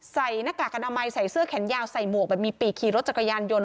หน้ากากอนามัยใส่เสื้อแขนยาวใส่หมวกแบบมีปีกขี่รถจักรยานยนต